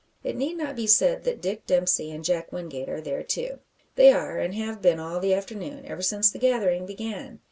It need not be said that Dick Dempsey and Jack Wingate are there too. They are, and have been all the afternoon ever since the gathering began.